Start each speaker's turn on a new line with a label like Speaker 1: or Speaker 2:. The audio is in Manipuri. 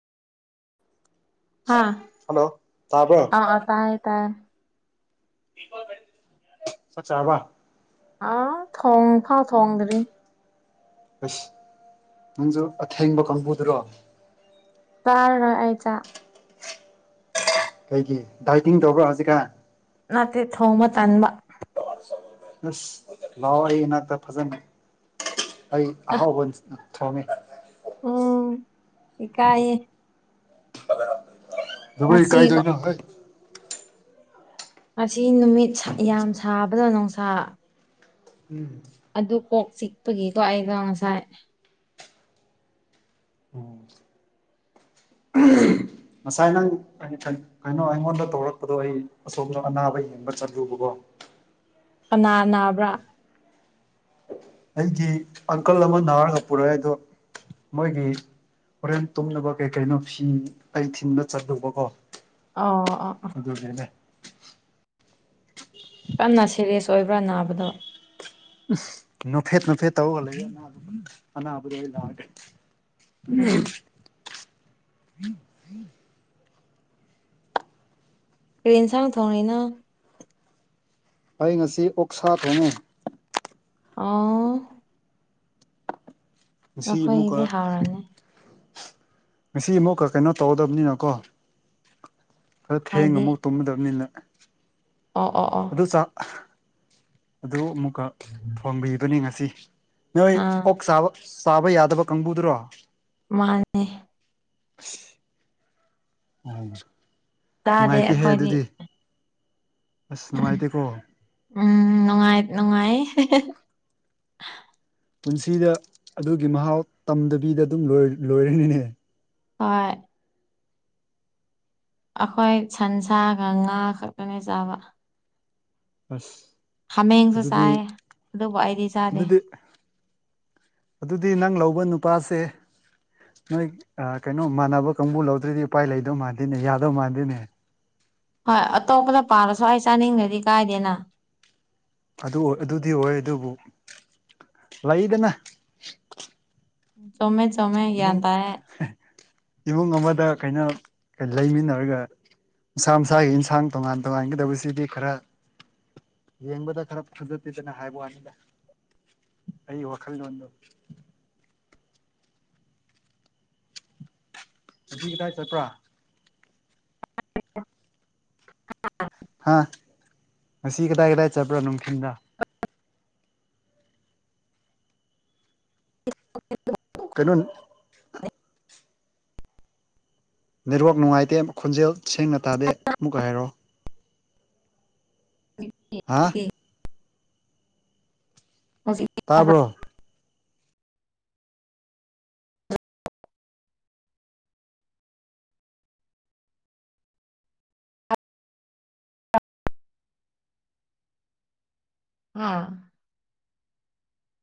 Speaker 1: ꯍꯥꯥ
Speaker 2: ꯍꯜꯂꯣ ꯇꯥꯕ꯭ꯔꯣ
Speaker 1: ꯑ ꯑ ꯇꯥꯏ ꯇꯥꯏ
Speaker 2: ꯁꯆꯥꯥꯕ
Speaker 1: ꯑꯥ ꯊꯣꯡ ꯐꯥ ꯊꯣꯡꯗ꯭ꯔꯤ
Speaker 2: ꯑꯁ ꯅꯪꯁꯨ ꯑꯊꯦꯡꯕ ꯀꯥꯡꯕꯨꯗꯨꯔꯣ
Speaker 1: ꯇꯥꯔꯔꯣꯏ ꯑꯩ ꯆꯥꯛ
Speaker 2: ꯀꯩꯒꯤ ꯗꯥꯏꯇꯤꯡ ꯇꯧꯕ꯭ꯔꯥ ꯍꯧꯖꯤꯛꯀ
Speaker 1: ꯅꯠꯇꯦ ꯊꯣꯡꯕ ꯇꯟꯕ
Speaker 2: ꯑꯁ ꯂꯥꯛꯑꯣ ꯑꯩ ꯏꯅꯥꯛꯇ ꯐꯖꯅ ꯑꯩ ꯑꯍꯥꯎꯕ ꯊꯣꯝꯃꯦ
Speaker 1: ꯎꯝ ꯍꯀꯑ
Speaker 2: ꯕ ꯀꯥꯏꯗꯣ
Speaker 1: ꯉꯁꯤꯒꯣ
Speaker 2: ꯏꯅ ꯍꯣꯏ
Speaker 1: ꯉꯁꯤ ꯅꯨꯃꯤꯠ ꯌꯥꯝ ꯁꯥꯕꯗ ꯅꯨꯡꯁꯥ
Speaker 2: ꯎꯝ
Speaker 1: ꯑꯗꯨ ꯀꯣꯛ ꯆꯤꯛꯄꯒꯤꯀꯣ ꯑꯩꯗꯣ ꯉꯁꯥꯏ
Speaker 2: ꯎꯝ ꯉꯁꯥꯏ ꯅꯪ ꯑꯩꯅ ꯀꯩꯅꯣ ꯑꯩꯉꯣꯟꯗ ꯇꯧꯔꯛꯄꯗꯣ ꯑꯩ ꯑꯁꯣꯝꯗ ꯑꯅꯥꯕ ꯌꯦꯡꯕ ꯆꯠꯂꯨꯕꯀꯣ
Speaker 1: ꯀꯅꯥ ꯅꯥꯕ꯭ꯔꯥ
Speaker 2: ꯑꯩꯒꯤ ꯑꯪꯀꯜ ꯑꯃ ꯅꯥꯔꯒ ꯄꯨꯔꯛꯑꯦ ꯑꯗꯣ ꯃꯣꯏꯒꯤ ꯍꯣꯔꯦꯟ ꯇꯨꯝꯅꯕ ꯀꯩ ꯀꯩꯅꯣ ꯐꯤ ꯑꯩ ꯊꯤꯟꯕ ꯆꯠꯗꯧꯕ ꯀꯣ
Speaker 1: ꯑꯣ ꯑꯣ
Speaker 2: ꯑꯗꯨꯒꯤꯅꯦ
Speaker 1: ꯀꯟꯅ ꯁꯦꯔꯤꯌꯁ ꯑꯣꯏꯕ꯭ꯔꯥ ꯅꯥꯕꯗꯣ
Speaker 2: ꯎ ꯅꯨꯐꯦꯠ ꯅꯨꯐꯦꯠ ꯇꯧꯔꯒ ꯂꯩ ꯑꯅꯥꯕꯗꯤ ꯂꯥꯛꯑꯒꯦ ꯎꯝ
Speaker 1: ꯀꯦꯟꯁꯥꯡ ꯊꯣꯡꯅꯤꯅ
Speaker 2: ꯑꯩ ꯉꯁꯤ ꯑꯣꯛꯁꯥ ꯊꯣꯡꯉꯦ
Speaker 1: ꯑꯥ
Speaker 2: ꯉꯁꯤ ꯑꯃꯨꯛꯀ
Speaker 1: ꯅꯈꯣꯏꯒꯤꯗꯤ ꯍꯥꯎꯔꯅꯤ
Speaker 2: ꯉꯁꯤ ꯑꯃꯨꯛꯀ ꯀꯩꯅꯣ ꯇꯧꯒꯗꯕꯅꯤꯅꯀꯣ ꯈꯔ ꯊꯦꯡ
Speaker 1: ꯍꯥꯏꯗꯤ
Speaker 2: ꯑꯃꯐꯥꯎ ꯇꯨꯝꯃꯗꯕꯅꯤꯅ
Speaker 1: ꯑꯣ ꯑꯣ ꯑꯣ
Speaker 2: ꯑꯗꯨ ꯆ ꯑꯗꯨ ꯑꯃꯨꯛꯀ ꯐꯪꯕꯤꯕꯅꯤ ꯉꯁꯤ ꯅꯣꯏ
Speaker 1: ꯑꯥ
Speaker 2: ꯑꯣꯛ ꯁꯥꯕ ꯁꯥꯕ ꯌꯥꯗꯕ ꯀꯥꯡꯕꯨꯗꯨꯔꯣ
Speaker 1: ꯃꯥꯅꯦ
Speaker 2: ꯑꯗꯨ
Speaker 1: ꯇꯥꯗꯦ ꯑꯩꯈꯣꯏꯗꯤ
Speaker 2: ꯑꯁ ꯅꯨꯡꯉꯥꯏꯇꯦꯀꯣ
Speaker 1: ꯎꯝ ꯅꯨꯡꯉꯥꯏ ꯅꯨꯡꯉꯥꯏ
Speaker 2: ꯄꯨꯟꯁꯤꯗ ꯑꯗꯨꯒꯤ ꯃꯍꯥꯎ ꯇꯝꯗꯕꯤꯗ ꯑꯗꯨꯝ ꯂꯣꯏꯔꯅꯤꯅꯦ
Speaker 1: ꯍꯣꯏ ꯑꯩꯈꯣꯏ ꯁꯟꯁꯥꯒ ꯉꯥ ꯈꯛꯀꯅꯦ ꯆꯥꯕ
Speaker 2: ꯑꯁ
Speaker 1: ꯍꯥꯃꯦꯡꯁꯨ
Speaker 2: ꯑꯗꯨꯗꯤ
Speaker 1: ꯆꯥꯏ ꯑꯗꯨꯕꯨ ꯑꯩꯗꯤ ꯆꯥꯗꯦ
Speaker 2: ꯑꯗꯨꯗꯤ ꯑꯗꯨꯗꯤ ꯅꯪ ꯂꯧꯕ ꯅꯨꯄꯥꯁꯦ ꯅꯣꯏ ꯀꯩꯅꯣ ꯃꯥꯟꯅꯕ ꯀꯥꯡꯕꯨ ꯂꯧꯗ꯭ꯔꯗꯤ ꯎꯄꯥꯏ ꯂꯩꯗꯧ ꯃꯥꯟꯗꯦꯅꯦ ꯌꯥꯗꯧ ꯃꯥꯟꯗꯦꯅꯦ
Speaker 1: ꯍꯣꯏ ꯑꯇꯣꯞꯄꯗ ꯄꯥꯂꯁꯨ ꯑꯩ ꯆꯥꯅꯤꯡꯗ꯭ꯔꯗꯤ ꯀꯥꯏꯗꯦꯅ
Speaker 2: ꯑꯗꯨ ꯑꯗꯨꯗꯤ ꯑꯣꯏ ꯑꯗꯨꯕꯨ ꯂꯩꯗꯅ
Speaker 1: ꯇꯃꯦ
Speaker 2: ꯏꯃꯨꯡ ꯏꯃꯨꯡ ꯑꯃꯗ ꯀꯩꯅ ꯂꯩꯃꯤꯟꯅꯔꯒ ꯃꯁꯥ ꯃꯁꯥꯒꯤ ꯏꯟꯁꯥꯡ ꯇꯣꯉꯥꯟ ꯇꯣꯉꯥꯟꯒꯗꯕꯁꯤꯗꯤ ꯈꯔ ꯌꯦꯡꯕꯗ ꯈꯔ ꯐꯖꯠꯇꯦꯗꯅ ꯍꯥꯏꯕ ꯋꯥꯅꯤꯗ ꯑꯩ ꯋꯥꯈꯜꯂꯣꯟꯗꯣ ꯑꯗꯨ ꯀꯗꯥꯏ ꯆꯠꯄ꯭ꯔꯥ ꯍꯥ ꯉꯁꯤ ꯀꯗꯥꯏ ꯀꯗꯥꯏ ꯆꯠꯄ꯭ꯔꯥ ꯅꯨꯡꯊꯤꯟꯗ
Speaker 1: [unintelligible]
Speaker 2: ꯀꯟ ꯅꯦꯠꯋꯥꯛ ꯅꯨꯡꯉꯥꯏꯇꯦ ꯈꯣꯟꯖꯦꯜ ꯁꯦꯡꯅ ꯇꯥꯗꯦ ꯑꯃꯨꯛꯀ ꯍꯥꯏꯔꯛꯑꯣ ꯍꯥ
Speaker 1: ꯦ ꯍꯧꯖꯤ
Speaker 2: ꯇꯥꯕ꯭ꯔꯣ
Speaker 1: ꯑꯥ